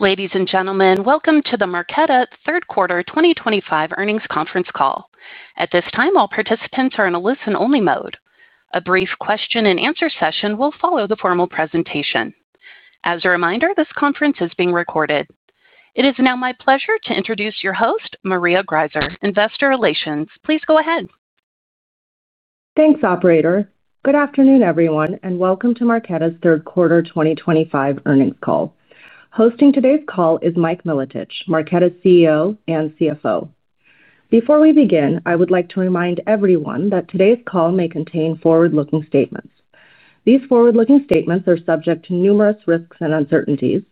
Ladies and gentlemen, welcome to the Marqeta third quarter 2025 earnings conference call. At this time, all participants are in a listen-only mode. A brief question-and-answer session will follow the formal presentation. As a reminder, this conference is being recorded. It is now my pleasure to introduce your host, Maria Greiser, Investor Relations. Please go ahead. Thanks, operator. Good afternoon, everyone, and welcome to Marqeta's third quarter 2025 earnings call. Hosting today's call is Mike Milotich, Marqeta's CEO and CFO. Before we begin, I would like to remind everyone that today's call may contain forward-looking statements. These forward-looking statements are subject to numerous risks and uncertainties,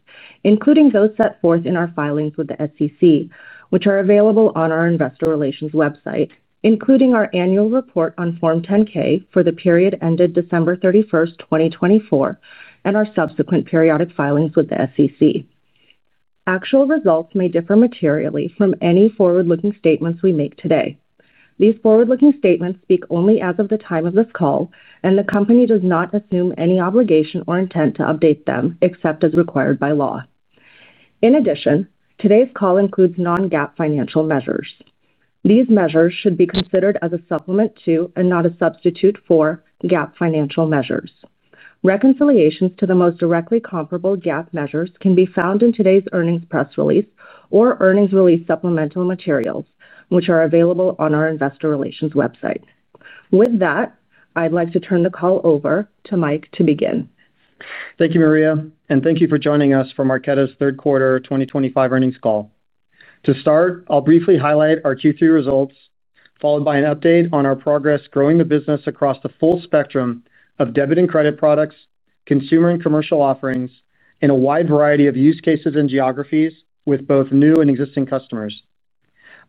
including those set forth in our filings with the SEC, which are available on our Investor Relations website, including our annual report on Form 10-K for the period ended December 31st, 2024, and our subsequent periodic filings with the SEC. Actual results may differ materially from any forward-looking statements we make today. These forward-looking statements speak only as of the time of this call, and the company does not assume any obligation or intent to update them except as required by law. In addition, today's call includes non-GAAP financial measures. These measures should be considered as a supplement to and not a substitute for GAAP financial measures. Reconciliations to the most directly comparable GAAP measures can be found in today's earnings press release or earnings release supplemental materials, which are available on our Investor Relations website. With that, I'd like to turn the call over to Mike to begin. Thank you, Maria, and thank you for joining us for Marqeta's third quarter 2025 earnings call. To start, I'll briefly highlight our Q3 results, followed by an update on our progress growing the business across the full spectrum of debit and credit products, consumer and commercial offerings, and a wide variety of use cases and geographies with both new and existing customers.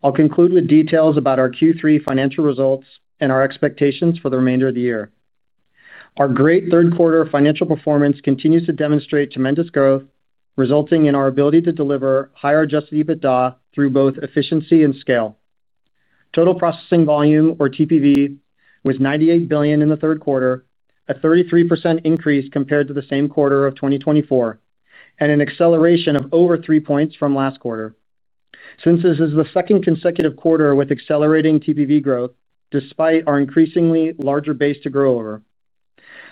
I'll conclude with details about our Q3 financial results and our expectations for the remainder of the year. Our great Q3 financial performance continues to demonstrate tremendous growth, resulting in our ability to deliver higher adjusted EBITDA through both efficiency and scale. Total Processing Volume, or TPV, was $98 billion in the third quarter, a 33% increase compared to the same quarter of 2024, and an acceleration of over 3 points from last quarter. Since this is the second consecutive quarter with accelerating TPV growth, despite our increasingly larger base to grow over.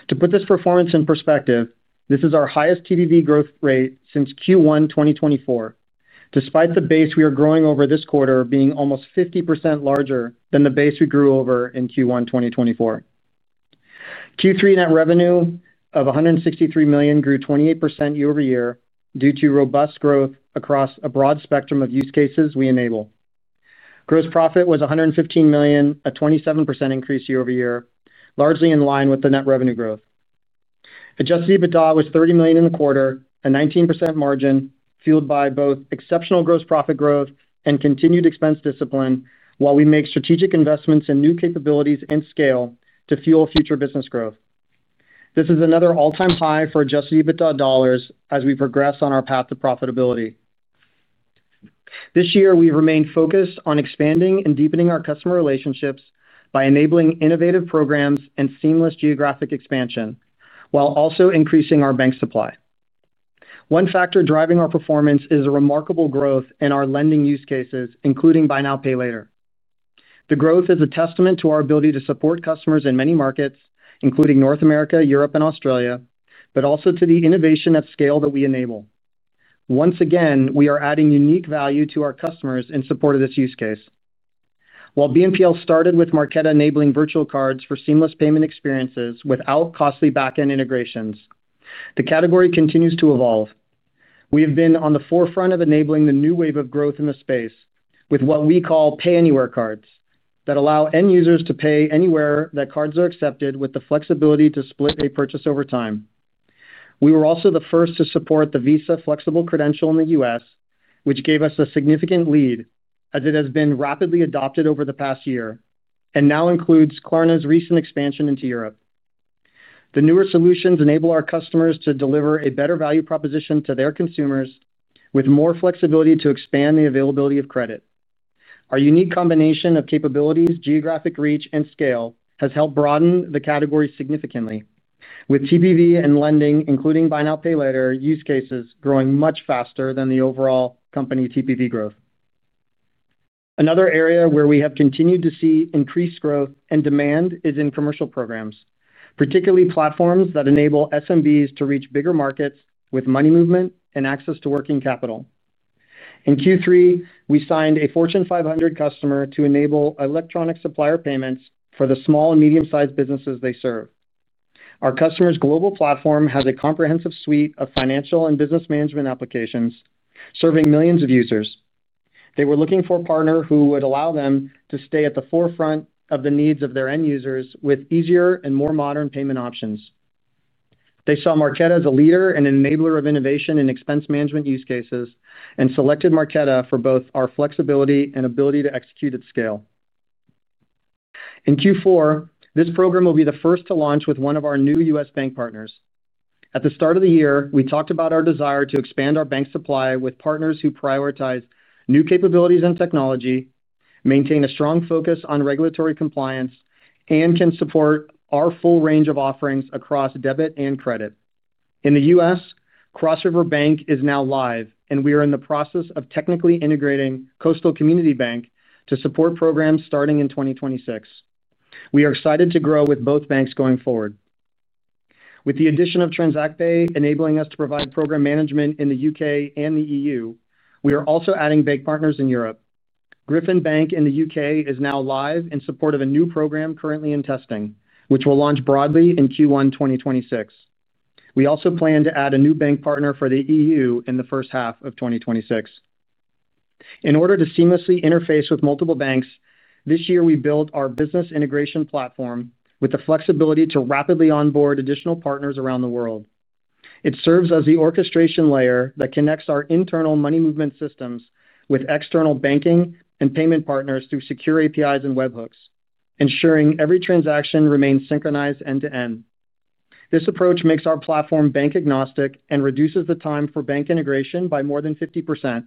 To put this performance in perspective, this is our highest TPV growth rate since Q1 2024, despite the base we are growing over this quarter being almost 50% larger than the base we grew over in Q1 2024. Q3 net revenue of $163 million grew 28% year-over-year due to robust growth across a broad spectrum of use cases we enable. Gross profit was $115 million, a 27% increase year-over-year, largely in line with the net revenue growth. Adjusted EBITDA was $30 million in the quarter, a 19% margin fueled by both exceptional gross profit growth and continued expense discipline, while we make strategic investments in new capabilities and scale to fuel future business growth. This is another all-time high for adjusted EBITDA dollars as we progress on our path to profitability. This year, we remain focused on expanding and deepening our customer relationships by enabling innovative programs and seamless geographic expansion, while also increasing our bank supply. One factor driving our performance is the remarkable growth in our lending use cases, including Buy Now, Pay Later. The growth is a testament to our ability to support customers in many markets, including North America, Europe, and Australia, but also to the innovation at scale that we enable. Once again, we are adding unique value to our customers in support of this use case. While BNPL started with Marqeta enabling virtual cards for seamless payment experiences without costly backend integrations, the category continues to evolve. We have been on the forefront of enabling the new wave of growth in the space with what we call pay-anywhere cards that allow end users to pay anywhere that cards are accepted, with the flexibility to split a purchase over time. We were also the first to support the Visa Flexible Credential in the U.S., which gave us a significant lead as it has been rapidly adopted over the past year and now includes Klarna's recent expansion into Europe. The newer solutions enable our customers to deliver a better value proposition to their consumers, with more flexibility to expand the availability of credit. Our unique combination of capabilities, geographic reach, and scale has helped broaden the category significantly, with TPV and lending, including Buy Now, Pay Later use cases, growing much faster than the overall company TPV growth. Another area where we have continued to see increased growth and demand is in commercial programs, particularly platforms that enable SMBs to reach bigger markets with money movement and access to working capital. In Q3, we signed a Fortune 500 customer to enable electronic supplier payments for the small and medium-sized businesses they serve. Our customer's global platform has a comprehensive suite of financial and business management applications serving millions of users. They were looking for a partner who would allow them to stay at the forefront of the needs of their end users with easier and more modern payment options. They saw Marqeta as a leader and enabler of innovation in expense management use cases and selected Marqeta for both our flexibility and ability to execute at scale. In Q4, this program will be the first to launch with one of our new U.S. bank partners. At the start of the year, we talked about our desire to expand our bank supply with partners who prioritize new capabilities and technology, maintain a strong focus on regulatory compliance, and can support our full range of offerings across debit and credit. In the U.S., Cross River Bank is now live, and we are in the process of technically integrating Coastal Community Bank to support programs starting in 2026. We are excited to grow with both banks going forward. With the addition of TransactPay enabling us to provide program management in the U.K. and the E.U., we are also adding bank partners in Europe. Griffin Bank in the U.K. is now live in support of a new program currently in testing, which will launch broadly in Q1 2026. We also plan to add a new bank partner for the E.U. in the first half of 2026. In order to seamlessly interface with multiple banks, this year we built our business integration platform with the flexibility to rapidly onboard additional partners around the world. It serves as the orchestration layer that connects our internal money movement systems with external banking and payment partners through secure APIs and webhooks, ensuring every transaction remains synchronized end-to-end. This approach makes our platform bank-agnostic and reduces the time for bank integration by more than 50%.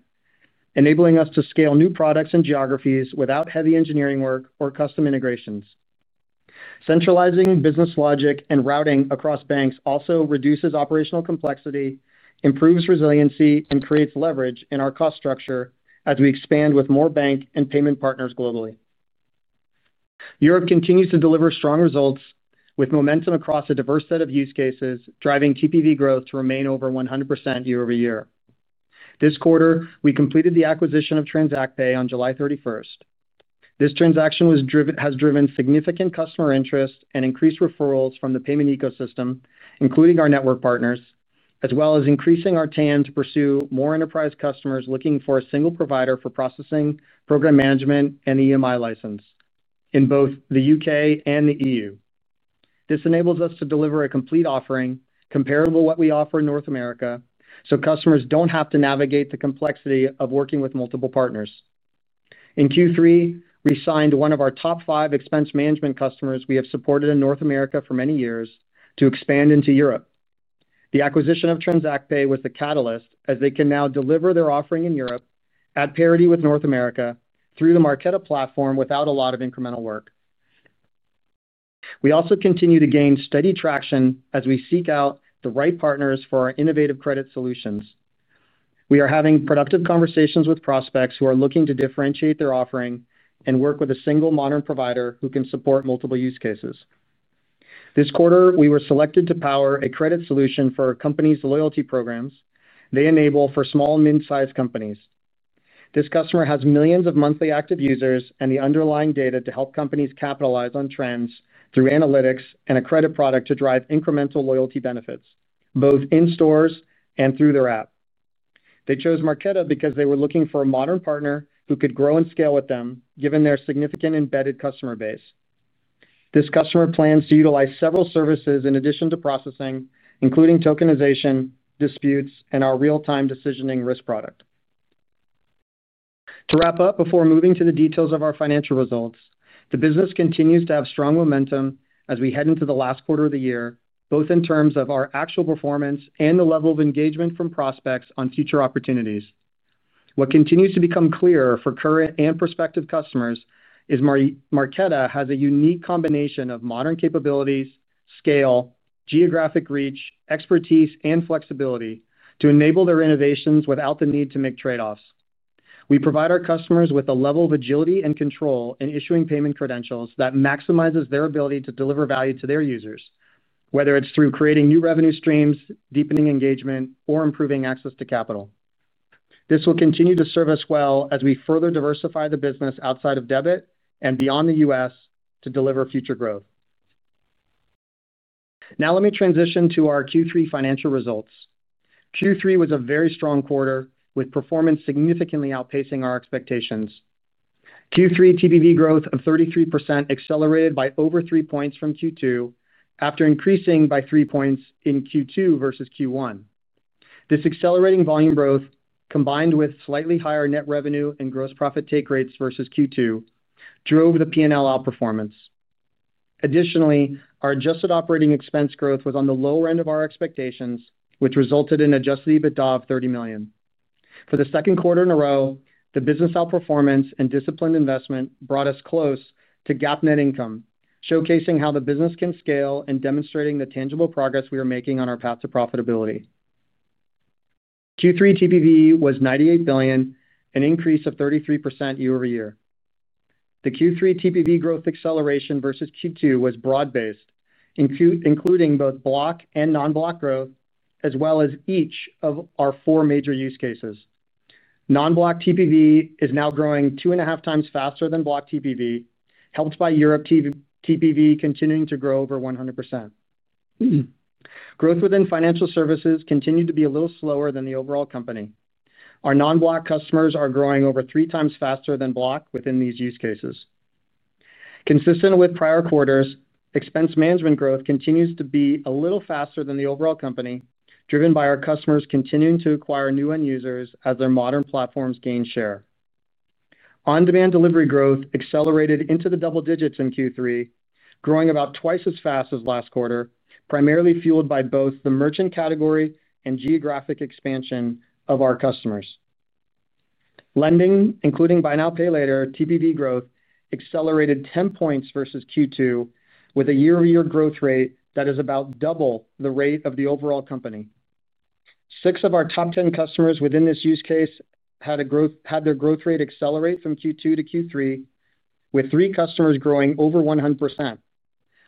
Enabling us to scale new products and geographies without heavy engineering work or custom integrations. Centralizing business logic and routing across banks also reduces operational complexity, improves resiliency, and creates leverage in our cost structure as we expand with more bank and payment partners globally. Europe continues to deliver strong results, with momentum across a diverse set of use cases driving TPV growth to remain over 100% year-over-year. This quarter, we completed the acquisition of TransactPay on July 31st. This transaction has driven significant customer interest and increased referrals from the payment ecosystem, including our network partners, as well as increasing our TAM to pursue more enterprise customers looking for a single provider for processing, program management, and EMI license in both the U.K. and the E.U. This enables us to deliver a complete offering comparable to what we offer in North America, so customers do not have to navigate the complexity of working with multiple partners. In Q3, we signed one of our top five expense management customers we have supported in North America for many years to expand into Europe. The acquisition of TransactPay was the catalyst, as they can now deliver their offering in Europe at parity with North America through the Marqeta platform without a lot of incremental work. We also continue to gain steady traction as we seek out the right partners for our innovative credit solutions. We are having productive conversations with prospects who are looking to differentiate their offering and work with a single modern provider who can support multiple use cases. This quarter, we were selected to power a credit solution for our company's loyalty programs they enable for small and mid-sized companies. This customer has millions of monthly active users and the underlying data to help companies capitalize on trends through analytics and a credit product to drive incremental loyalty benefits, both in stores and through their app. They chose Marqeta because they were looking for a modern partner who could grow and scale with them, given their significant embedded customer base. This customer plans to utilize several services in addition to processing, including tokenization, disputes, and our real-time decisioning risk product. To wrap up, before moving to the details of our financial results, the business continues to have strong momentum as we head into the last quarter of the year, both in terms of our actual performance and the level of engagement from prospects on future opportunities. What continues to become clearer for current and prospective customers is Marqeta has a unique combination of modern capabilities, scale, geographic reach, expertise, and flexibility to enable their innovations without the need to make trade-offs. We provide our customers with a level of agility and control in issuing payment credentials that maximizes their ability to deliver value to their users, whether it's through creating new revenue streams, deepening engagement, or improving access to capital. This will continue to serve us well as we further diversify the business outside of debit and beyond the U.S. to deliver future growth. Now, let me transition to our Q3 financial results. Q3 was a very strong quarter, with performance significantly outpacing our expectations. Q3 TPV growth of 33% accelerated by over 3 points from Q2, after increasing by 3 points in Q2 versus Q1. This accelerating volume growth, combined with slightly higher net revenue and gross profit take rates versus Q2, drove the P&L outperformance. Additionally, our adjusted operating expense growth was on the low end of our expectations, which resulted in adjusted EBITDA of $30 million. For the second quarter in a row, the business outperformance and disciplined investment brought us close to GAAP net income, showcasing how the business can scale and demonstrating the tangible progress we are making on our path to profitability. Q3 TPV was $98 billion, an increase of 33% year-over-year. The Q3 TPV growth acceleration versus Q2 was broad-based, including both Block and non-Block growth, as well as each of our four major use cases. Non-Block TPV is now growing 2.5 times faster than Block TPV, helped by Europe TPV continuing to grow over 100%. Growth within financial services continued to be a little slower than the overall company. Our non-Block customers are growing over three times faster than Block within these use cases. Consistent with prior quarters, expense management growth continues to be a little faster than the overall company, driven by our customers continuing to acquire new end users as their modern platforms gain share. On-demand delivery growth accelerated into the double digits in Q3, growing about twice as fast as last quarter, primarily fueled by both the merchant category and geographic expansion of our customers. Lending, including Buy Now, Pay Later TPV growth, accelerated 10 points versus Q2, with a year-over-year growth rate that is about double the rate of the overall company. Six of our top 10 customers within this use case had their growth rate accelerate from Q2-Q3, with three customers growing over 100%,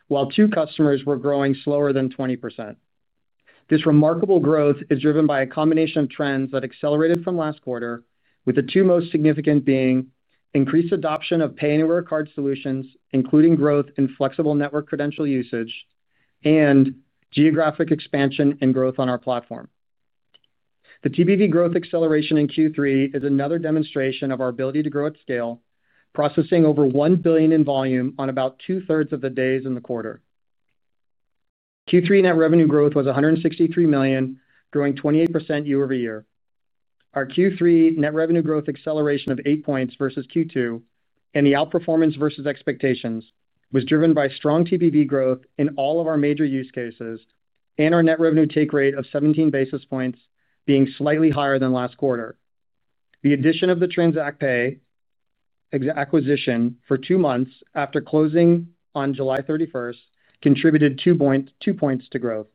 while two customers were growing slower than 20%. This remarkable growth is driven by a combination of trends that accelerated from last quarter, with the two most significant being increased adoption of pay-anywhere card solutions, including growth in flexible network credential usage, and geographic expansion and growth on our platform. The TPV growth acceleration in Q3 is another demonstration of our ability to grow at scale, processing over $1 billion in volume on about 2/3 of the days in the quarter. Q3 net revenue growth was $163 million, growing 28% year-over-year. Our Q3 net revenue growth acceleration of 8 points versus Q2, and the outperformance versus expectations, was driven by strong TPV growth in all of our major use cases, and our net revenue take rate of 17 basis points being slightly higher than last quarter. The addition of the TransactPay acquisition for two months after closing on July 31st contributed 2 points to growth.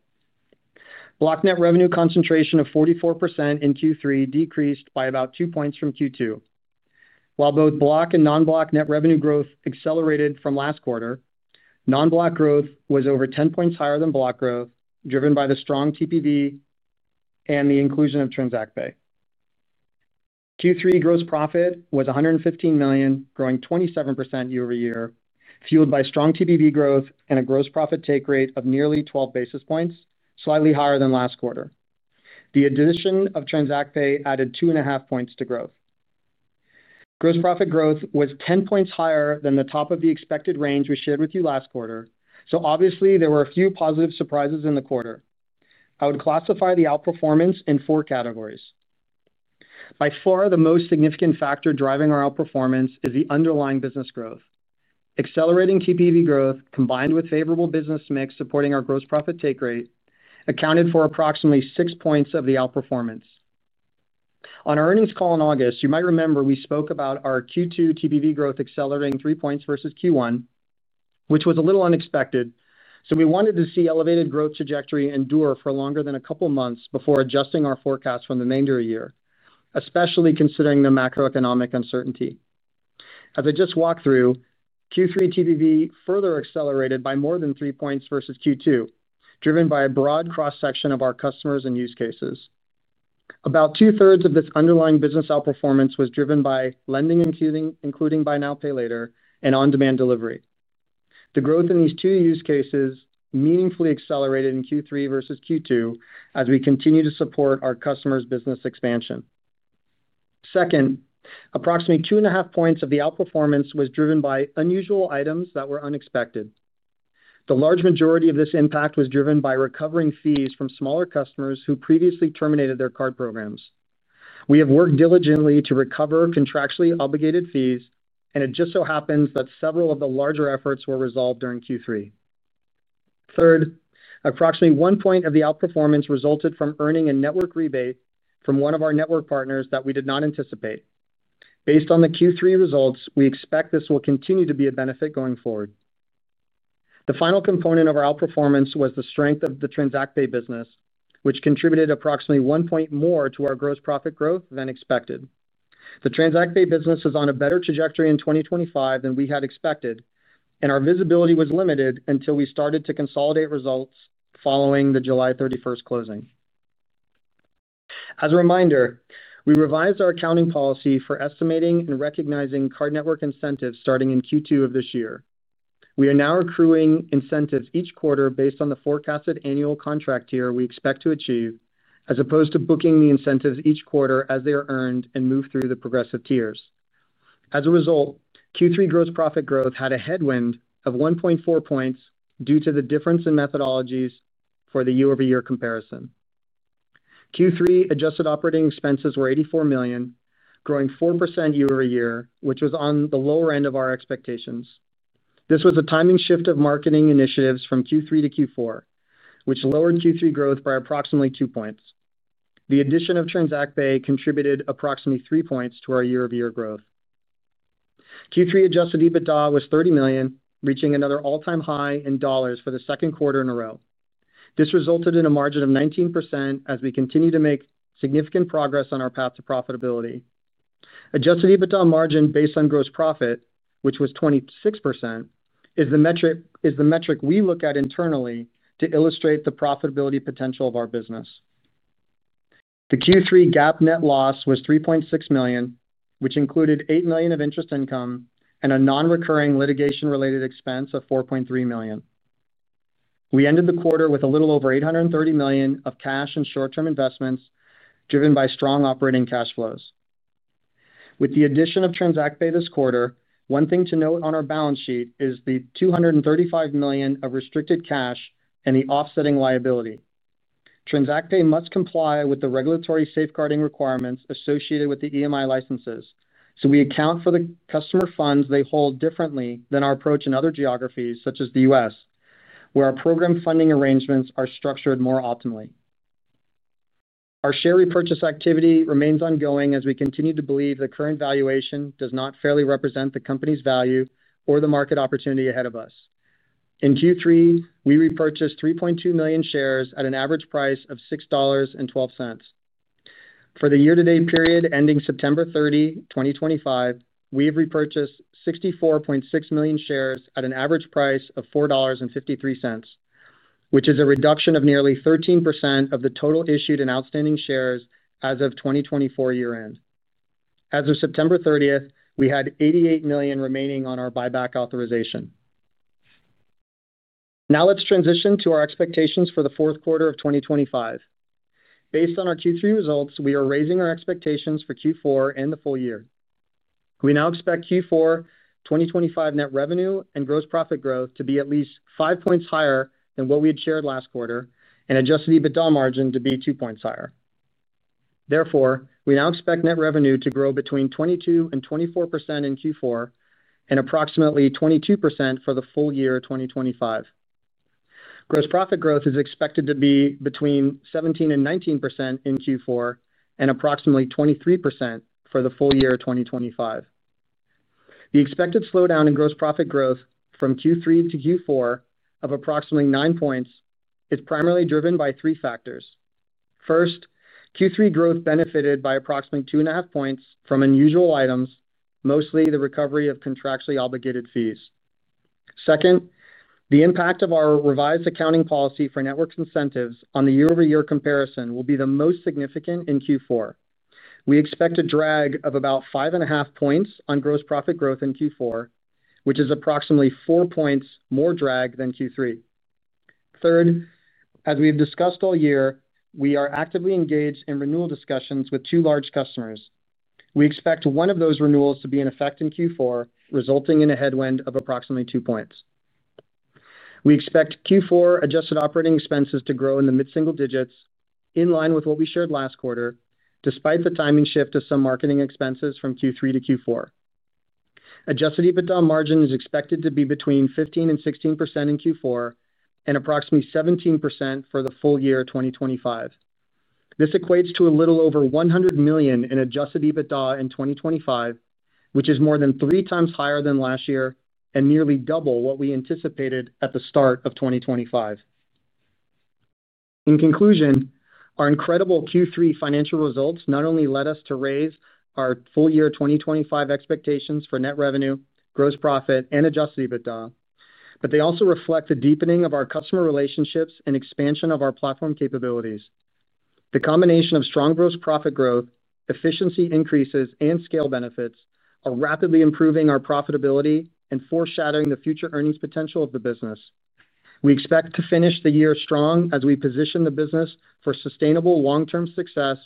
Block net revenue concentration of 44% in Q3 decreased by about 2 points from Q2. While both Block and non-Block net revenue growth accelerated from last quarter, non-Block growth was over 10 points higher than Block growth, driven by the strong TPV and the inclusion of TransactPay. Q3 gross profit was $115 million, growing 27% year-over-year, fueled by strong TPV growth and a gross profit take rate of nearly 12 basis points, slightly higher than last quarter. The addition of TransactPay added 2.5 points to growth. Gross profit growth was 10 points higher than the top of the expected range we shared with you last quarter, so obviously, there were a few positive surprises in the quarter. I would classify the outperformance in four categories. By far, the most significant factor driving our outperformance is the underlying business growth. Accelerating TPV growth, combined with favorable business mix supporting our gross profit take rate, accounted for approximately 6 points of the outperformance. On our earnings call in August, you might remember we spoke about our Q2 TPV growth accelerating 3 points versus Q1, which was a little unexpected, so we wanted to see elevated growth trajectory endure for longer than a couple of months before adjusting our forecast from the remainder of the year, especially considering the macroeconomic uncertainty. As I just walked through, Q3 TPV further accelerated by more than 3 points versus Q2, driven by a broad cross-section of our customers and use cases. About 2/3 of this underlying business outperformance was driven by lending, including Buy Now, Pay Later, and on-demand delivery. The growth in these two use cases meaningfully accelerated in Q3 versus Q2 as we continue to support our customers' business expansion. Second, approximately 2.5 points of the outperformance was driven by unusual items that were unexpected. The large majority of this impact was driven by recovering fees from smaller customers who previously terminated their card programs. We have worked diligently to recover contractually obligated fees, and it just so happens that several of the larger efforts were resolved during Q3. Third, approximately one point of the outperformance resulted from earning a network rebate from one of our network partners that we did not anticipate. Based on the Q3 results, we expect this will continue to be a benefit going forward. The final component of our outperformance was the strength of the TransactPay business, which contributed approximately 1 point more to our gross profit growth than expected. The TransactPay business is on a better trajectory in 2025 than we had expected, and our visibility was limited until we started to consolidate results following the July 31st closing. As a reminder, we revised our accounting policy for estimating and recognizing card network incentives starting in Q2 of this year. We are now accruing incentives each quarter based on the forecasted annual contract year we expect to achieve, as opposed to booking the incentives each quarter as they are earned and move through the progressive tiers. As a result, Q3 gross profit growth had a headwind of 1.4 points due to the difference in methodologies for the year-over-year comparison. Q3 adjusted operating expenses were $84 million, growing 4% year-over-year, which was on the lower end of our expectations. This was a timing shift of marketing initiatives from Q3-Q4, which lowered Q3 growth by approximately 2 points. The addition of TransactPay contributed approximately 3 points to our year-over-year growth. Q3 adjusted EBITDA was $30 million, reaching another all-time high in dollars for the second quarter in a row. This resulted in a margin of 19% as we continue to make significant progress on our path to profitability. Adjusted EBITDA margin based on gross profit, which was 26%, is the metric we look at internally to illustrate the profitability potential of our business. The Q3 GAAP net loss was $3.6 million, which included $8 million of interest income and a non-recurring litigation-related expense of $4.3 million. We ended the quarter with a little over $830 million of cash and short-term investments driven by strong operating cash flows. With the addition of TransactPay this quarter, one thing to note on our balance sheet is the $235 million of restricted cash and the offsetting liability. TransactPay must comply with the regulatory safeguarding requirements associated with the EMI licenses, so we account for the customer funds they hold differently than our approach in other geographies, such as the U.S., where our program funding arrangements are structured more optimally. Our share repurchase activity remains ongoing as we continue to believe the current valuation does not fairly represent the company's value or the market opportunity ahead of us. In Q3, we repurchased 3.2 million shares at an average price of $6.12. For the year-to-date period ending September 30th, 2025, we have repurchased 64.6 million shares at an average price of $4.53. This is a reduction of nearly 13% of the total issued and outstanding shares as of 2024 year-end. As of September 30th, we had $88 million remaining on our buyback authorization. Now, let's transition to our expectations for the fourth quarter of 2025. Based on our Q3 results, we are raising our expectations for Q4 and the full year. We now expect Q4 2025 net revenue and gross profit growth to be at least 5 points higher than what we had shared last quarter, and adjusted EBITDA margin to be 2 points higher. Therefore, we now expect net revenue to grow between 22%-24% in Q4, and approximately 22% for the full year of 2025. Gross profit growth is expected to be between 17%-19% in Q4, and approximately 23% for the full year of 2025. The expected slowdown in gross profit growth from Q3-Q4 of approximately 9 points is primarily driven by three factors. First, Q3 growth benefited by approximately 2.5 points from unusual items, mostly the recovery of contractually obligated fees. Second, the impact of our revised accounting policy for network incentives on the year-over-year comparison will be the most significant in Q4. We expect a drag of about 5.5 points on gross profit growth in Q4, which is approximately 4 points more drag than Q3. Third, as we have discussed all year, we are actively engaged in renewal discussions with two large customers. We expect one of those renewals to be in effect in Q4, resulting in a headwind of approximately 2 points. We expect Q4 adjusted operating expenses to grow in the mid-single digits, in line with what we shared last quarter, despite the timing shift of some marketing expenses from Q3-Q4. Adjusted EBITDA margin is expected to be between 15%-16% in Q4, and approximately 17% for the full year of 2025. This equates to a little over $100 million in adjusted EBITDA in 2025, which is more than three times higher than last year and nearly double what we anticipated at the start of 2025. In conclusion, our incredible Q3 financial results not only led us to raise our full year 2025 expectations for net revenue, gross profit, and adjusted EBITDA, but they also reflect the deepening of our customer relationships and expansion of our platform capabilities. The combination of strong gross profit growth, efficiency increases, and scale benefits are rapidly improving our profitability and foreshadowing the future earnings potential of the business. We expect to finish the year strong as we position the business for sustainable long-term success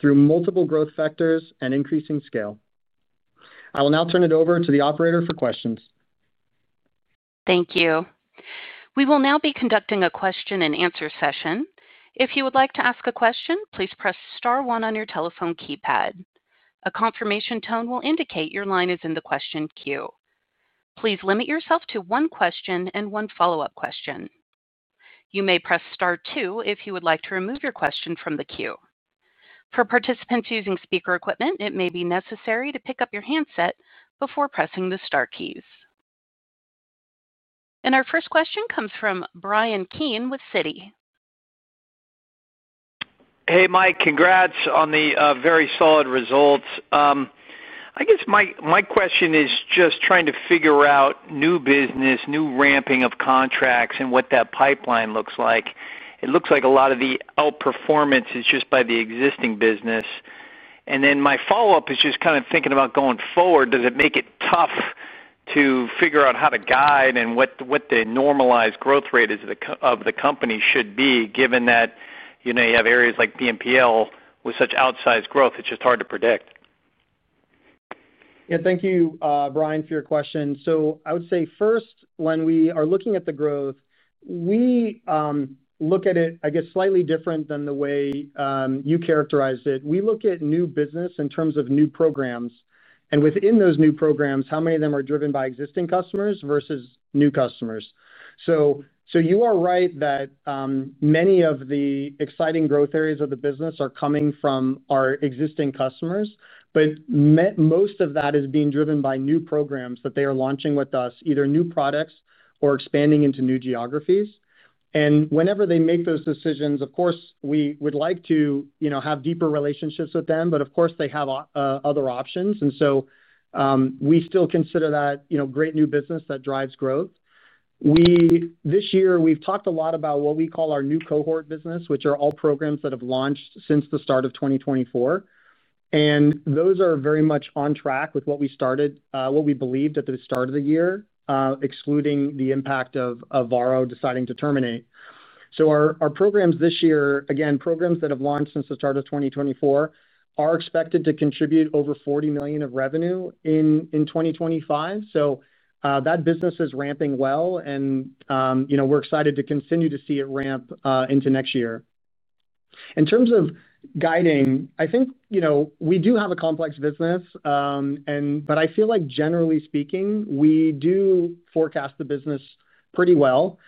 through multiple growth factors and increasing scale. I will now turn it over to the operator for questions. Thank you. We will now be conducting a question-and-answer session. If you would like to ask a question, please press star one on your telephone keypad. A confirmation tone will indicate your line is in the question queue. Please limit yourself to one question and one follow-up question. You may press star two if you would like to remove your question from the queue. For participants using speaker equipment, it may be necessary to pick up your handset before pressing the star keys. Our first question comes from Bryan Keane with Citi. Hey, Mike. Congrats on the very solid results. I guess my question is just trying to figure out new business, new ramping of contracts, and what that pipeline looks like. It looks like a lot of the outperformance is just by the existing business. Then my follow-up is just kind of thinking about going forward, does it make it tough to figure out how to guide and what the normalized growth rate of the company should be, given that you have areas like BNPL with such outsized growth, it's just hard to predict. Yeah. Thank you, Brian, for your question. I would say first, when we are looking at the growth. We look at it, I guess, slightly different than the way you characterized it. We look at new business in terms of new programs. And within those new programs, how many of them are driven by existing customers versus new customers? You are right that many of the exciting growth areas of the business are coming from our existing customers, but most of that is being driven by new programs that they are launching with us, either new products or expanding into new geographies. Whenever they make those decisions, of course, we would like to have deeper relationships with them, but of course, they have other options. We still consider that great new business that drives growth. This year, we've talked a lot about what we call our new cohort business, which are all programs that have launched since the start of 2024. Those are very much on track with what we believed at the start of the year, excluding the impact of Varo deciding to terminate. Our programs this year, again, programs that have launched since the start of 2024, are expected to contribute over $40 million of revenue in 2025. That business is ramping well, and we're excited to continue to see it ramp into next year. In terms of guiding, I think we do have a complex business. I feel like, generally speaking, we do forecast the business pretty well.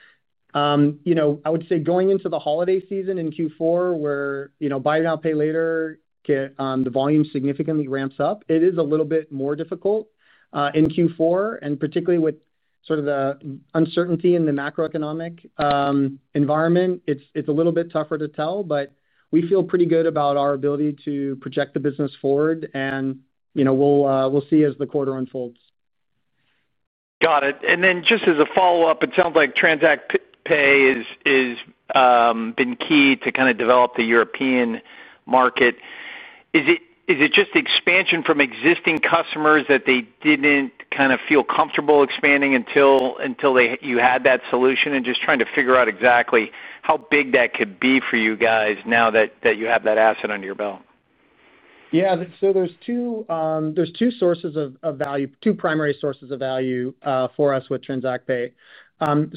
I would say going into the holiday season in Q4, where Buy Now, Pay Later, the volume significantly ramps up, it is a little bit more difficult. In Q4, and particularly with sort of the uncertainty in the macroeconomic environment, it's a little bit tougher to tell, but we feel pretty good about our ability to project the business forward, and we'll see as the quarter unfolds. Got it. Just as a follow-up, it sounds like TransactPay has been key to kind of develop the European market. Is it just expansion from existing customers that they didn't kind of feel comfortable expanding until you had that solution and just trying to figure out exactly how big that could be for you guys now that you have that asset under your belt? Yeah. So there's two sources of value, two primary sources of value for us with TransactPay.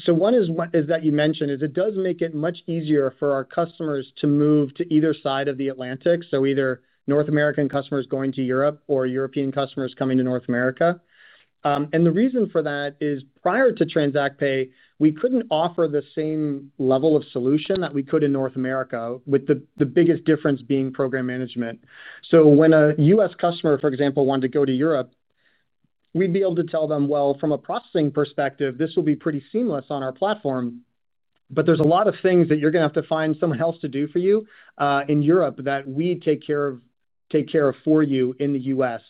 So one is that you mentioned is it does make it much easier for our customers to move to either side of the Atlantic. Either North American customers going to Europe or European customers coming to North America. The reason for that is prior to TransactPay, we could not offer the same level of solution that we could in North America, with the biggest difference being program management. When a U.S. customer, for example, wanted to go to Europe, we'd be able to tell them, "Well, from a processing perspective, this will be pretty seamless on our platform." "But there is a lot of things that you are going to have to find someone else to do for you in Europe that we take care of for you in the U.S."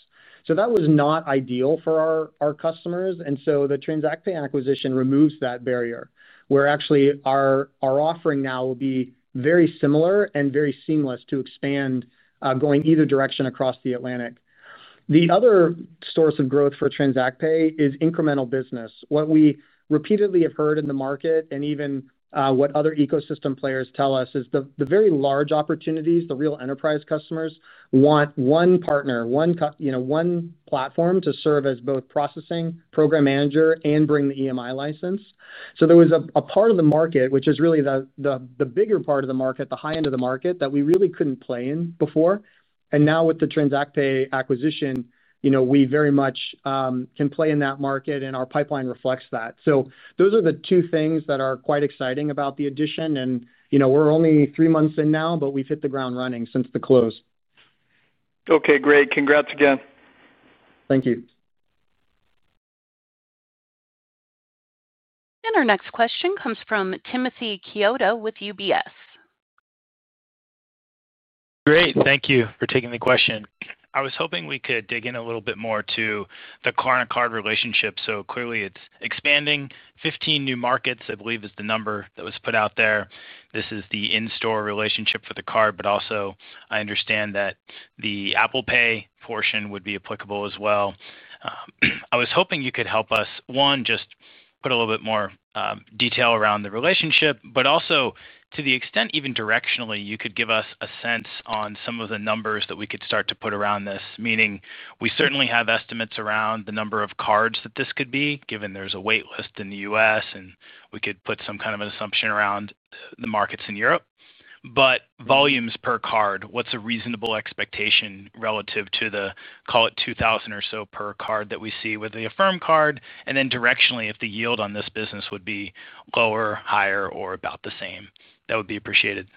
That was not ideal for our customers. The TransactPay acquisition removes that barrier, where actually our offering now will be very similar and very seamless to expand going either direction across the Atlantic. The other source of growth for TransactPay is incremental business. What we repeatedly have heard in the market and even what other ecosystem players tell us is the very large opportunities, the real enterprise customers want one partner, one platform to serve as both processing, program manager, and bring the EMI license. There was a part of the market, which is really the bigger part of the market, the high end of the market, that we really could not play in before. Now with the TransactPay acquisition, we very much can play in that market, and our pipeline reflects that. Those are the two things that are quite exciting about the addition. We're only three months in now, but we've hit the ground running since the close. Okay. Great. Congrats again. Thank you. Our next question comes from Timothy Chiodo with UBS. Great. Thank you for taking the question. I was hoping we could dig in a little bit more to the card-to-card relationship. Clearly, it's expanding 15 new markets, I believe is the number that was put out there. This is the in-store relationship for the card, but also I understand that the Apple Pay portion would be applicable as well. I was hoping you could help us, one, just put a little bit more detail around the relationship, but also to the extent even directionally, you could give us a sense on some of the numbers that we could start to put around this, meaning we certainly have estimates around the number of cards that this could be, given there's a waitlist in the U.S., and we could put some kind of an assumption around the markets in Europe. But volumes per card, what's a reasonable expectation relative to the, call it, 2,000 or so per card that we see with the Affirm card? And then directionally, if the yield on this business would be lower, higher, or about the same, that would be appreciated.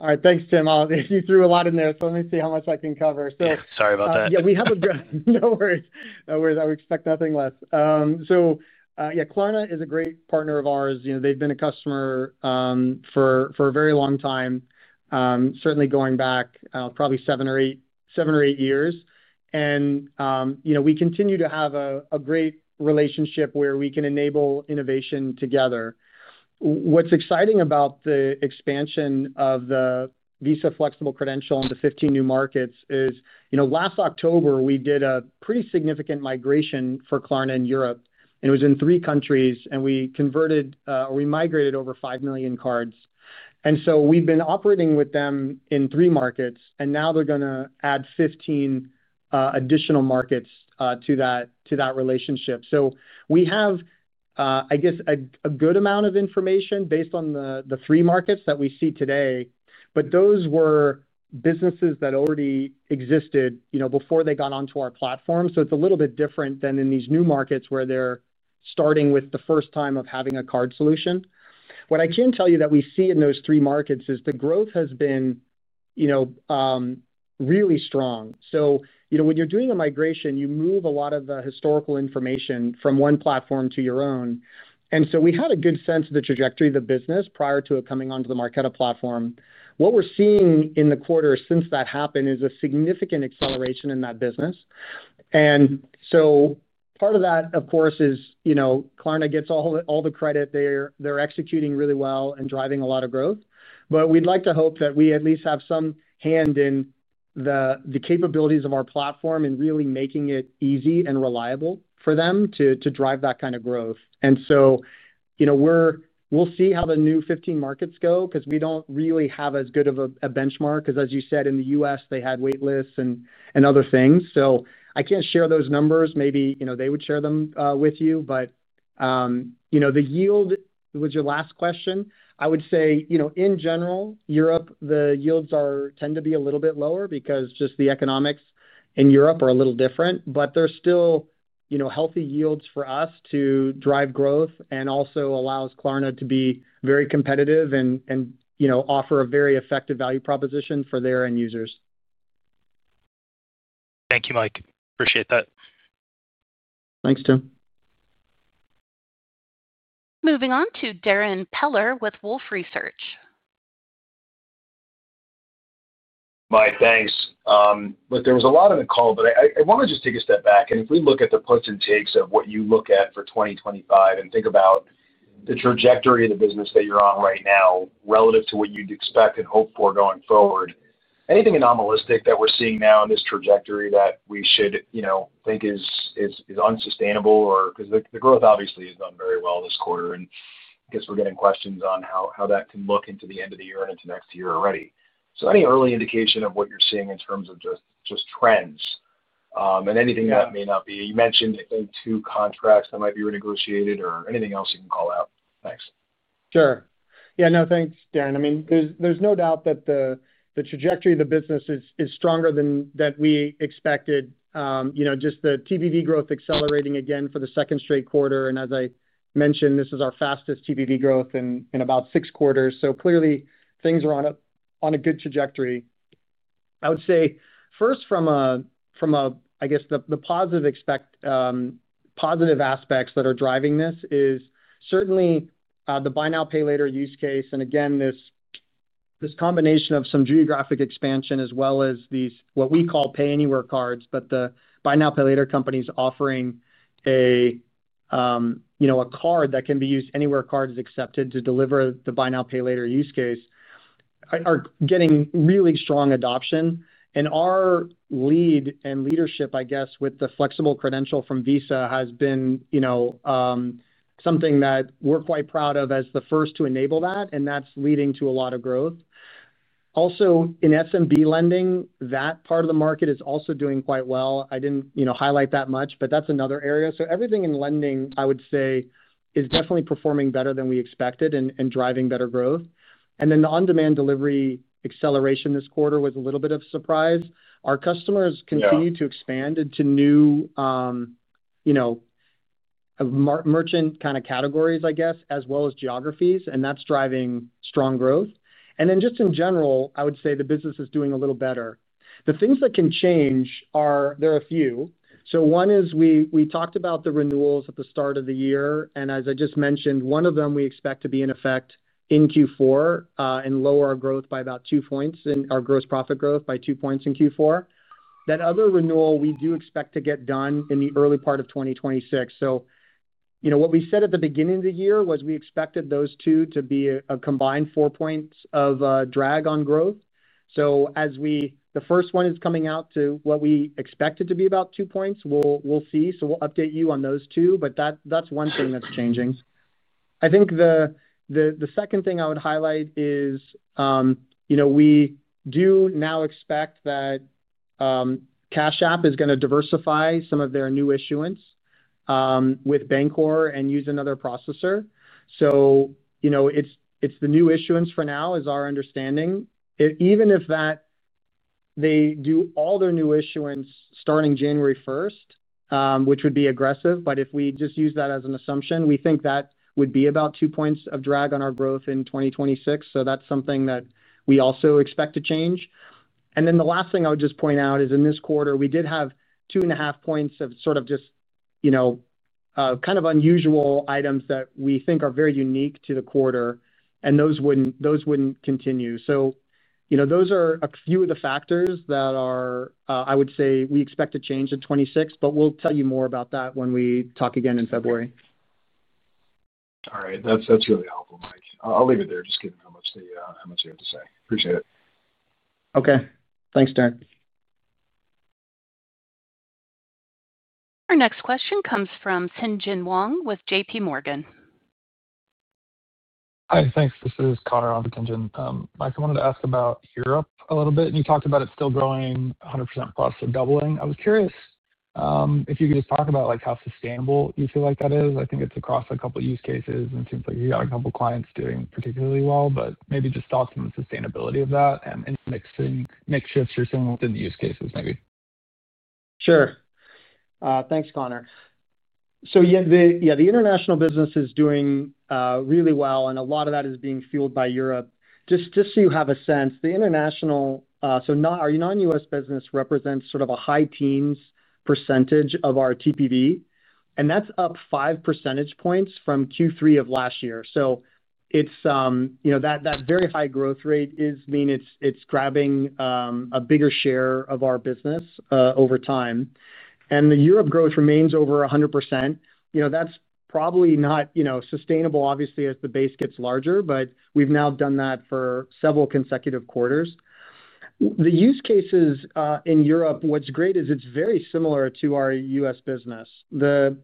All right. Thanks, Tim. You threw a lot in there, so let me see how much I can cover. Sorry about that. Yeah. We have a—no worries, no worries. I would expect nothing less. Yeah, Klarna is a great partner of ours. They've been a customer for a very long time, certainly going back probably seven or eight years. We continue to have a great relationship where we can enable innovation together. What's exciting about the expansion of the Visa Flexible Credential into 15 new markets is last October, we did a pretty significant migration for Klarna in Europe. It was in three countries, and we migrated over 5 million cards. We have been operating with them in three markets, and now they're going to add 15 additional markets to that relationship. We have, I guess, a good amount of information based on the three markets that we see today, but those were businesses that already existed before they got onto our platform. It's a little bit different than in these new markets where they're starting with the first time of having a card solution. What I can tell you that we see in those three markets is the growth has been really strong. When you're doing a migration, you move a lot of the historical information from one platform to your own. We had a good sense of the trajectory of the business prior to it coming onto the Marqeta platform. What we're seeing in the quarter since that happened is a significant acceleration in that business. Part of that, of course, is Klarna gets all the credit. They're executing really well and driving a lot of growth. We'd like to hope that we at least have some hand in the capabilities of our platform and really making it easy and reliable for them to drive that kind of growth. We'll see how the new 15 markets go because we don't really have as good of a benchmark. Because, as you said, in the U.S., they had waitlists and other things. I can't share those numbers. Maybe they would share them with you. The yield was your last question. I would say, in general, Europe, the yields tend to be a little bit lower because just the economics in Europe are a little different. There's still healthy yields for us to drive growth and also allows Klarna to be very competitive and offer a very effective value proposition for their end users. Thank you, Mike. Appreciate that. Thanks, Tim. Moving on to Darrin Peller with Wolfe Research. Mike, thanks. There was a lot in the call, but I want to just take a step back. If we look at the pros and cons of what you look at for 2025 and think about the trajectory of the business that you're on right now relative to what you'd expect and hope for going forward, anything anomalous that we're seeing now in this trajectory that we should think is unsustainable? The growth obviously has done very well this quarter, and I guess we're getting questions on how that can look into the end of the year and into next year already. Any early indication of what you're seeing in terms of just trends? Anything that may not be—you mentioned, I think, two contracts that might be renegotiated or anything else you can call out. Thanks. Sure. Yeah. No, thanks, Darrin. I mean, there's no doubt that the trajectory of the business is stronger than we expected, just the TPV growth accelerating again for the second straight quarter. As I mentioned, this is our fastest TPV growth in about six quarters. Clearly, things are on a good trajectory. I would say first from, I guess, the positive aspects that are driving this is certainly the Buy Now, Pay Later use case. Again, this combination of some geographic expansion as well as what we call pay anywhere cards, but the Buy Now, Pay Later companies offering a card that can be used anywhere cards are accepted to deliver the Buy Now, Pay Later use case, are getting really strong adoption. Our lead and leadership, I guess, with the flexible credential from Visa has been. Something that we're quite proud of as the first to enable that, and that's leading to a lot of growth. Also, in SMB lending, that part of the market is also doing quite well. I didn't highlight that much, but that's another area. Everything in lending, I would say, is definitely performing better than we expected and driving better growth. The on-demand delivery acceleration this quarter was a little bit of a surprise. Our customers continue to expand into new merchant kind of categories, I guess, as well as geographies, and that's driving strong growth. In general, I would say the business is doing a little better. The things that can change are there are a few. One is we talked about the renewals at the start of the year. As I just mentioned, one of them we expect to be in effect in Q4 and lower our growth by about 2 points in our gross profit growth by 2 points in Q4. That other renewal, we do expect to get done in the early part of 2026. What we said at the beginning of the year was we expected those two to be a combined four points of drag on growth. The first one is coming out to what we expected to be about 2 points. We'll see. We'll update you on those two, but that's one thing that's changing. I think the second thing I would highlight is we do now expect that Cash App is going to diversify some of their new issuance with Bancor and use another processor. It's the new issuance for now, is our understanding. Even if they do all their new issuance starting January 1st, which would be aggressive, but if we just use that as an assumption, we think that would be about 2 points of drag on our growth in 2026. That is something that we also expect to change. The last thing I would just point out is in this quarter, we did have 2.5 points of sort of just kind of unusual items that we think are very unique to the quarter, and those would not continue. Those are a few of the factors that I would say we expect to change in 2026, but we will tell you more about that when we talk again in February. All right. That is really helpful, Mike. I will leave it there, just given how much you have to say. Appreciate it. Okay. Thanks, Darrin. Our next question comes from Tien-Tsin Huang with JPMorgan. Hi, thanks. This is Connor on for Tien-Tsin. Mike, I wanted to ask about Europe a little bit. And you talked about it still growing 100%+ or doubling. I was curious if you could just talk about how sustainable you feel like that is. I think it's across a couple of use cases, and it seems like you got a couple of clients doing particularly well, but maybe just talk to them on the sustainability of that and mix shifts you're seeing within the use cases, maybe. Sure. Thanks, Connor. So yeah, the international business is doing really well, and a lot of that is being fueled by Europe. Just so you have a sense, the international. So our non-U.S. Business represents sort of a high teens percentage of our TPV, and that's up 5 percentage points from Q3 of last year. That very high growth rate is meaning it's grabbing a bigger share of our business over time. The Europe growth remains over 100%. That's probably not sustainable, obviously, as the base gets larger, but we've now done that for several consecutive quarters. The use cases in Europe, what's great is it's very similar to our U.S. business. We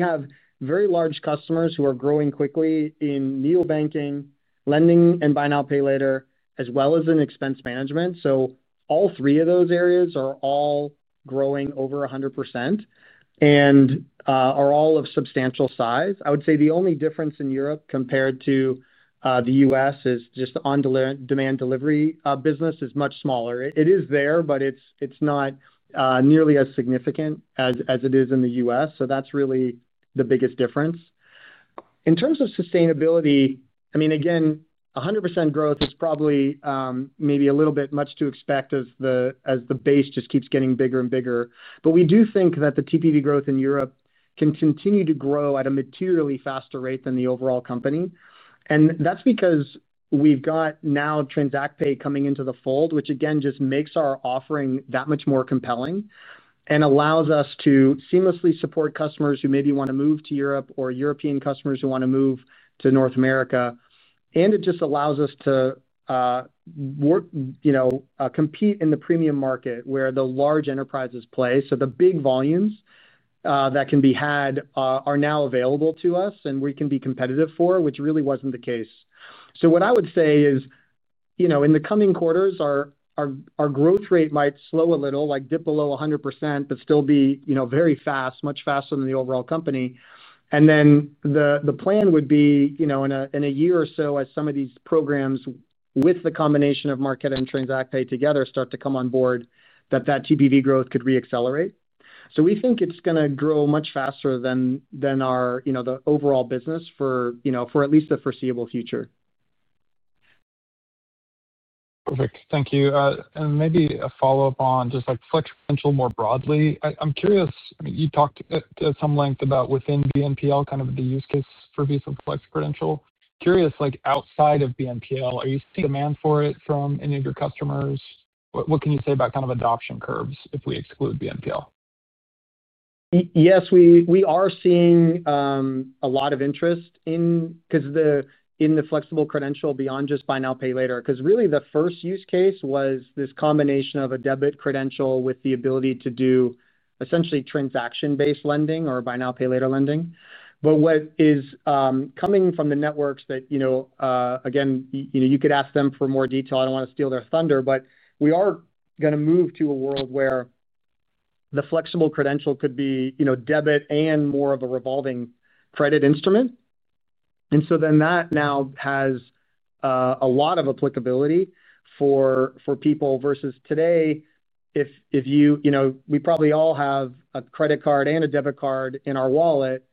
have very large customers who are growing quickly in neobanking, lending, and Buy Now, Pay Later, as well as in expense management. All three of those areas are all growing over 100% and are all of substantial size. I would say the only difference in Europe compared to the U.S. is just the on-demand delivery business is much smaller. It is there, but it's not nearly as significant as it is in the U.S. That is really the biggest difference. In terms of sustainability, I mean, again, 100% growth is probably maybe a little bit much to expect as the base just keeps getting bigger and bigger. We do think that the TPV growth in Europe can continue to grow at a materially faster rate than the overall company. That is because we have got now TransactPay coming into the fold, which again just makes our offering that much more compelling and allows us to seamlessly support customers who maybe want to move to Europe or European customers who want to move to North America. It just allows us to compete in the premium market where the large enterprises play. The big volumes that can be had are now available to us, and we can be competitive for, which really was not the case. What I would say is, in the coming quarters, our growth rate might slow a little, dip below 100%, but still be very fast, much faster than the overall company. The plan would be in a year or so, as some of these programs with the combination of Marqeta and TransactPay together start to come on board, that that TPV growth could re-accelerate. We think it's going to grow much faster than the overall business for at least the foreseeable future. Perfect. Thank you. Maybe a follow-up on just flexible credential more broadly. I'm curious, you talked at some length about within BNPL, kind of the use case for Visa Flexible Credential. Curious, outside of BNPL, are you seeing demand for it from any of your customers? What can you say about kind of adoption curves if we exclude BNPL? Yes, we are seeing a lot of interest in the flexible credential beyond just Buy Now, Pay Later. Because really, the first use case was this combination of a debit credential with the ability to do essentially transaction-based lending or Buy Now, Pay Later lending. What is coming from the networks that, again, you could ask them for more detail. I do not want to steal their thunder, but we are going to move to a world where the flexible credential could be debit and more of a revolving credit instrument. That now has a lot of applicability for people versus today, if you, we probably all have a credit card and a debit card in our wallet,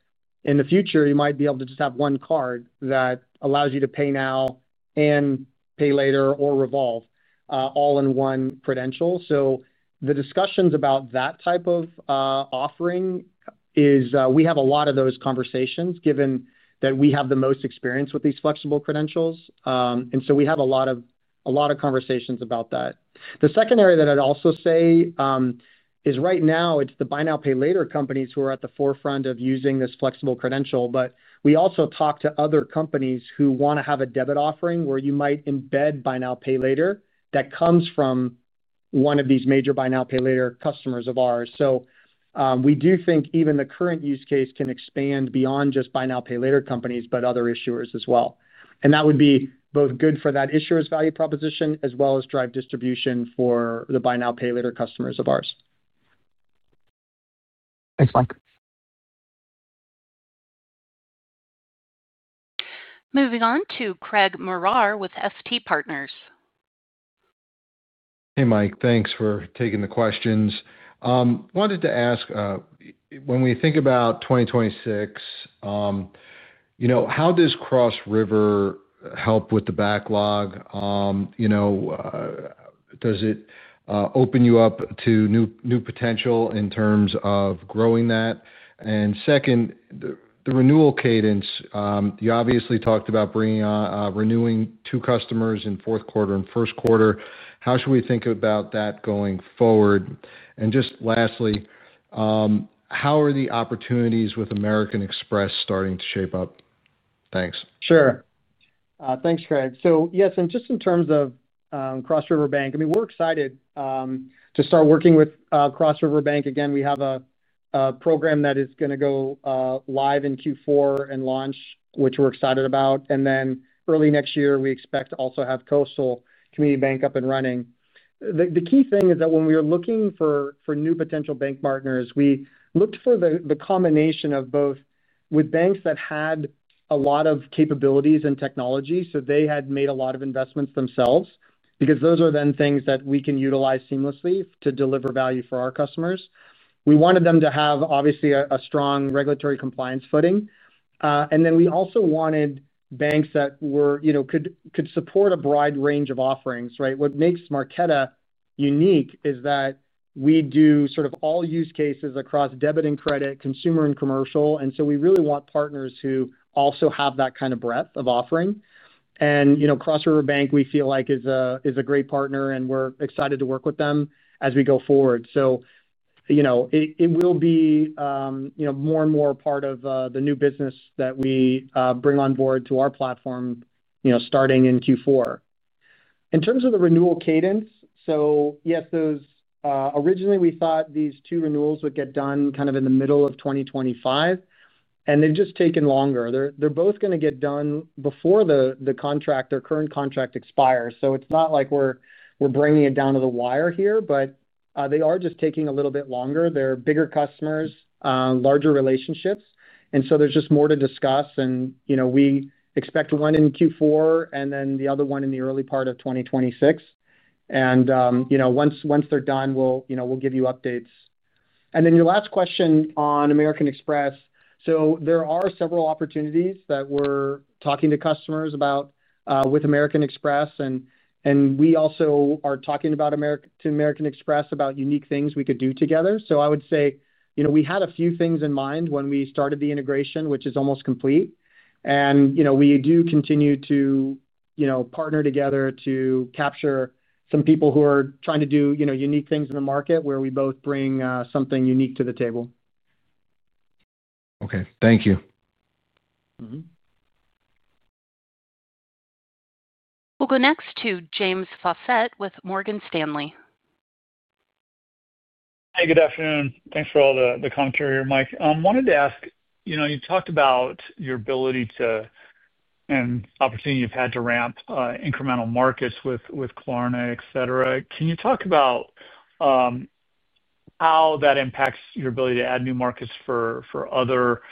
in the future, you might be able to just have one card that allows you to pay now and pay later or revolve all in one credential. The discussions about that type of offering is we have a lot of those conversations, given that we have the most experience with these flexible credentials. We have a lot of conversations about that. The second area that I'd also say is right now, it's the Buy Now, Pay Later companies who are at the forefront of using this flexible credential. We also talk to other companies who want to have a debit offering where you might embed Buy Now, Pay Later that comes from one of these major Buy Now, Pay Later customers of ours. We do think even the current use case can expand beyond just Buy Now, Pay Later companies, but other issuers as well. That would be both good for that issuer's value proposition as well as drive distribution for the Buy Now, Pay Later customers of ours. Thanks, Mike. Moving on to Craig Maurer with FT Partners. Hey, Mike. Thanks for taking the questions. I wanted to ask. When we think about 2026. How does Cross River help with the backlog? Does it open you up to new potential in terms of growing that? And second. The renewal cadence, you obviously talked about renewing two customers in fourth quarter and first quarter. How should we think about that going forward? And just lastly. How are the opportunities with American Express starting to shape up? Thanks. Sure. Thanks, Craig. So yes, and just in terms of. Cross River Bank, I mean, we're excited to start working with Cross River Bank. Again, we have a program that is going to go live in Q4 and launch, which we're excited about. And then early next year, we expect to also have Coastal Community Bank up and running. The key thing is that when we were looking for new potential bank partners, we looked for the combination of both with banks that had a lot of capabilities and technology. They had made a lot of investments themselves because those are then things that we can utilize seamlessly to deliver value for our customers. We wanted them to have, obviously, a strong regulatory compliance footing. We also wanted banks that could support a broad range of offerings, right? What makes Marqeta unique is that we do sort of all use cases across debit and credit, consumer and commercial. We really want partners who also have that kind of breadth of offering. Cross River Bank, we feel like, is a great partner, and we're excited to work with them as we go forward. It will be more and more part of the new business that we bring on board to our platform. Starting in Q4. In terms of the renewal cadence, yes, originally, we thought these two renewals would get done kind of in the middle of 2025. They have just taken longer. They are both going to get done before the current contract expires. It is not like we are bringing it down to the wire here, but they are just taking a little bit longer. They are bigger customers, larger relationships. There is just more to discuss. We expect one in Q4 and then the other one in the early part of 2026. Once they are done, we will give you updates. Your last question on American Express. There are several opportunities that we are talking to customers about with American Express. We also are talking to American Express about unique things we could do together. I would say we had a few things in mind when we started the integration, which is almost complete. We do continue to partner together to capture some people who are trying to do unique things in the market where we both bring something unique to the table. Okay. Thank you. We'll go next to James Faucette with Morgan Stanley. Hey, good afternoon. Thanks for all the commentary here, Mike. I wanted to ask, you talked about your ability to and opportunity you've had to ramp incremental markets with Klarna, etc. Can you talk about how that impacts your ability to add new markets for other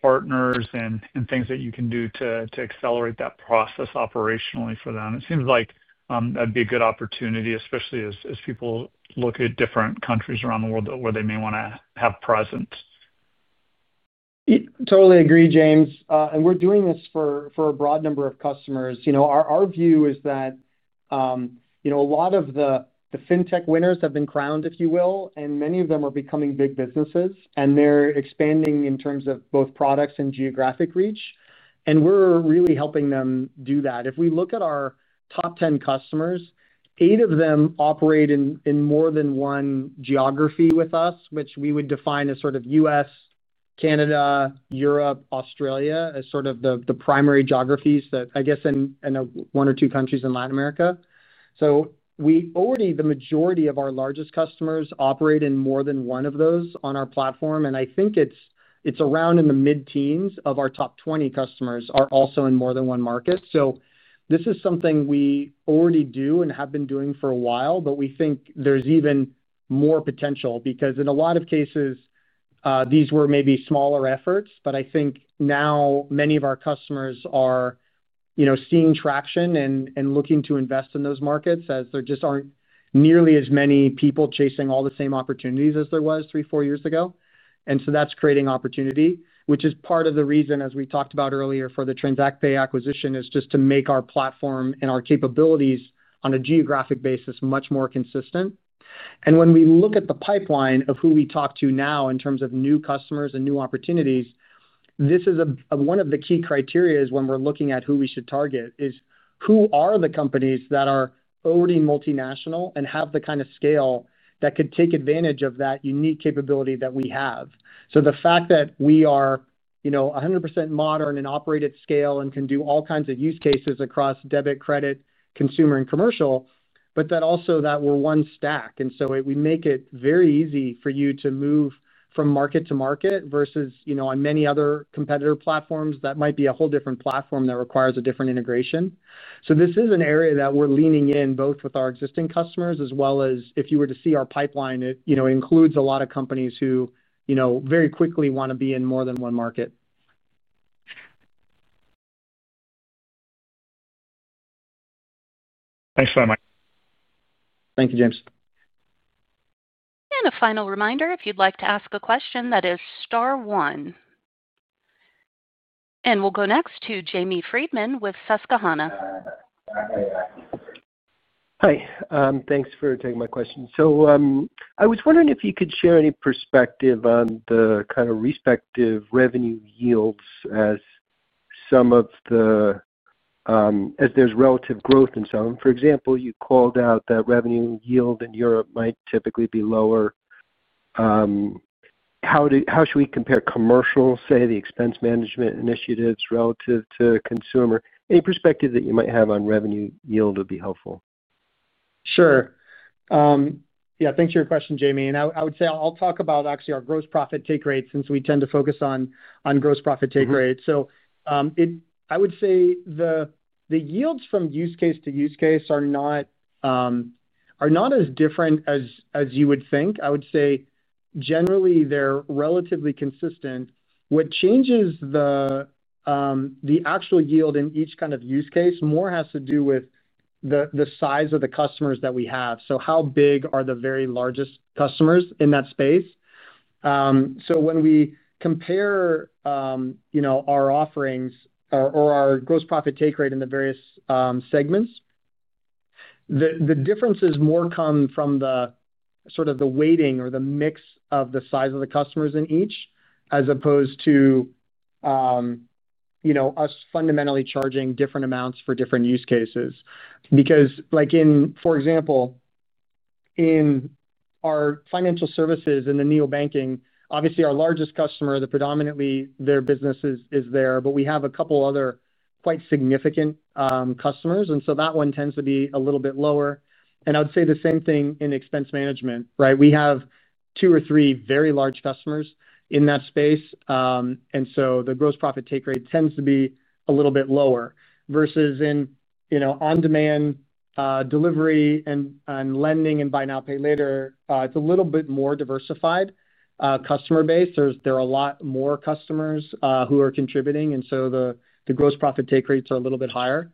partners and things that you can do to accelerate that process operationally for them? It seems like that'd be a good opportunity, especially as people look at different countries around the world where they may want to have presence. Totally agree, James. And we're doing this for a broad number of customers. Our view is that a lot of the fintech winners have been crowned, if you will, and many of them are becoming big businesses, and they're expanding in terms of both products and geographic reach. We're really helping them do that. If we look at our top 10 customers, eight of them operate in more than one geography with us, which we would define as sort of U.S., Canada, Europe, Australia, as sort of the primary geographies, I guess, and one or two countries in Latin America. Already, the majority of our largest customers operate in more than one of those on our platform. I think it's around in the mid-teens of our top 20 customers are also in more than one market. This is something we already do and have been doing for a while, but we think there's even more potential because in a lot of cases these were maybe smaller efforts. I think now many of our customers are seeing traction and looking to invest in those markets as there just aren't nearly as many people chasing all the same opportunities as there were three, four years ago. That is creating opportunity, which is part of the reason, as we talked about earlier, for the TransactPay acquisition, just to make our platform and our capabilities on a geographic basis much more consistent. When we look at the pipeline of who we talk to now in terms of new customers and new opportunities, this is one of the key criteria when we're looking at who we should target, is who are the companies that are already multinational and have the kind of scale that could take advantage of that unique capability that we have. The fact that we are 100% modern and operate at scale and can do all kinds of use cases across debit, credit, consumer, and commercial, but also that we're one stack. We make it very easy for you to move from market to market versus on many other competitor platforms that might be a whole different platform that requires a different integration. This is an area that we're leaning in both with our existing customers as well as if you were to see our pipeline, it includes a lot of companies who very quickly want to be in more than one market. Thanks so much. Thank you, James. A final reminder, if you'd like to ask a question, that is star one. We'll go next to Jamie Friedman with Susquehanna. Hi. Thanks for taking my question. I was wondering if you could share any perspective on the kind of respective revenue yields as some of the, as there's relative growth in some. For example, you called out that revenue yield in Europe might typically be lower. How should we compare commercial, say, the expense management initiatives relative to consumer? Any perspective that you might have on revenue yield would be helpful. Sure. Yeah. Thanks for your question, Jamie. I would say I'll talk about actually our gross profit take rate since we tend to focus on gross profit take rate. I would say the yields from use case to use case are not as different as you would think. I would say generally, they're relatively consistent. What changes the actual yield in each kind of use case more has to do with the size of the customers that we have. How big are the very largest customers in that space? When we compare our offerings or our gross profit take rate in the various segments, the differences more come from the sort of the weighting or the mix of the size of the customers in each as opposed to us fundamentally charging different amounts for different use cases. Because, for example, in our financial services and the neobanking, obviously, our largest customer, predominantly their business is there, but we have a couple of other quite significant customers. That one tends to be a little bit lower. I would say the same thing in expense management, right? We have two or three very large customers in that space. The gross profit take rate tends to be a little bit lower versus in on-demand delivery and lending and Buy Now, Pay Later, it's a little bit more diversified customer base. There are a lot more customers who are contributing. The gross profit take rates are a little bit higher.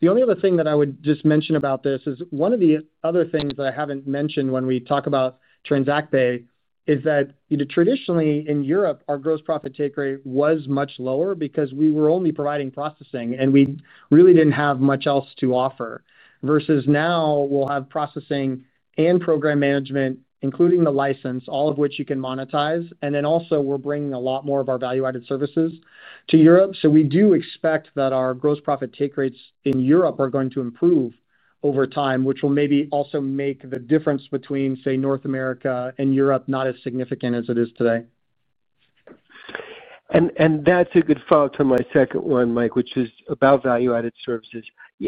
The only other thing that I would just mention about this is one of the other things that I have not mentioned when we talk about TransactPay is that traditionally, in Europe, our gross profit take rate was much lower because we were only providing processing, and we really did not have much else to offer. Versus now, we will have processing and program management, including the license, all of which you can monetize. Also, we are bringing a lot more of our value-added services to Europe. We do expect that our gross profit take rates in Europe are going to improve over time, which will maybe also make the difference between, say, North America and Europe not as significant as it is today. That is a good follow-up to my second one, Mike, which is about value-added services.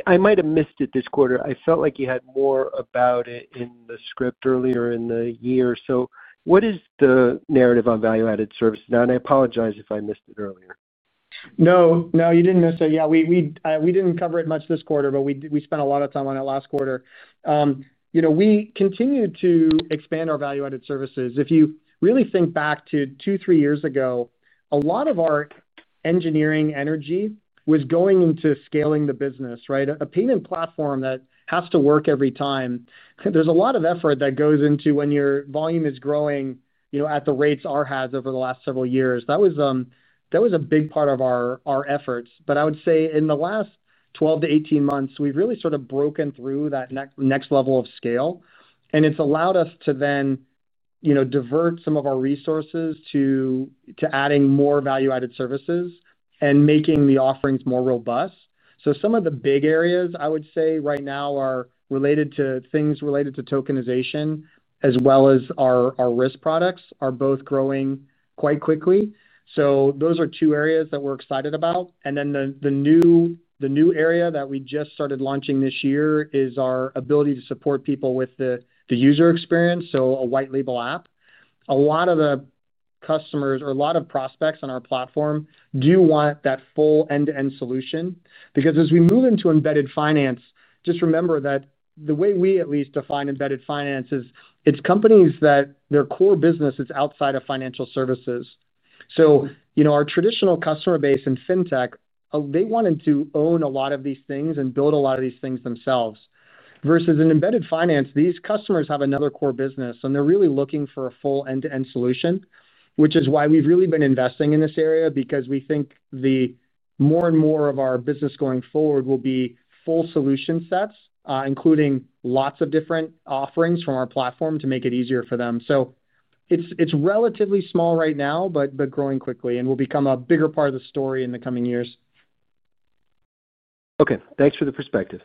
I might have missed it this quarter. I felt like you had more about it in the script earlier in the year. What is the narrative on value-added services? I apologize if I missed it earlier. No, no, you didn't miss it. Yeah, we didn't cover it much this quarter, but we spent a lot of time on it last quarter. We continue to expand our value-added services. If you really think back to 2-3 years ago, a lot of our engineering energy was going into scaling the business, right? A payment platform that has to work every time. There's a lot of effort that goes into when your volume is growing at the rates ours has over the last several years. That was a big part of our efforts. I would say in the last 12-18 months, we've really sort of broken through that next level of scale. It has allowed us to then divert some of our resources to adding more value-added services and making the offerings more robust. Some of the big areas, I would say, right now are related to things related to tokenization, as well as our risk products, which are both growing quite quickly. Those are two areas that we are excited about. The new area that we just started launching this year is our ability to support people with the user experience, so a white-label app. A lot of the customers or a lot of prospects on our platform do want that full end-to-end solution. As we move into embedded finance, just remember that the way we at least define embedded finance is it is companies whose core business is outside of financial services. Our traditional customer base in fintech, they wanted to own a lot of these things and build a lot of these things themselves. Versus in embedded finance, these customers have another core business, and they are really looking for a full end-to-end solution, which is why we have really been investing in this area because we think more and more of our business going forward will be full solution sets, including lots of different offerings from our platform to make it easier for them. It is relatively small right now, but growing quickly, and will become a bigger part of the story in the coming years. Okay. Thanks for the perspective.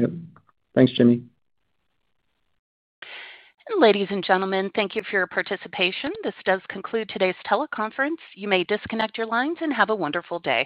Yep. Thanks, Jamie. Ladies and gentlemen, thank you for your participation. This does conclude today's teleconference. You may disconnect your lines and have a wonderful day.